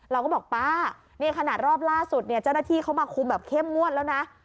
เราก็บอกป้านี่ขนาดรอบล่าสุดเนี่ยเจ้าหน้าที่เขามาคุมแบบเข้มงวดแล้วนะ